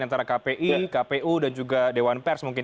antara kpi kpu dan juga dewan pers mungkin